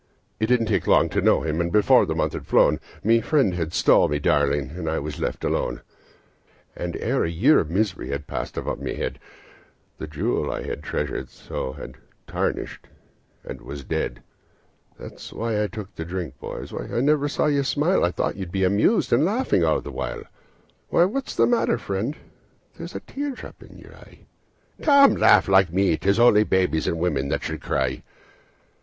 "It didn't take long to know him, and before the month had flown My friend had stole my darling, and I was left alone; And ere a year of misery had passed above my head, The jewel I had treasured so had tarnished and was dead. "That's why I took to drink, boys. Why, I never see you smile, I thought you'd be amused, and laughing all the while. Why, what's the matter, friend? There's a tear drop in you eye, Come, laugh like me. 'Tis only babes and women that should cry.